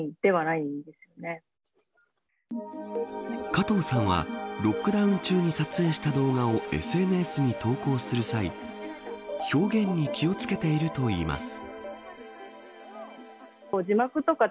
加藤さんはロックダウン中に撮影した動画をＳＮＳに投稿する際表現に気を付けているといいます。